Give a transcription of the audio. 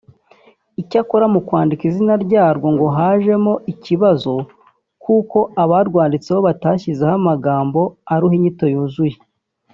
Icyakora mu kwandika izina ryarwo ngo hajemo ikibazo kuko abarwanditseho batashyizeho amagambo aruha inyito yuzuye